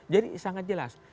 jadi sangat jelas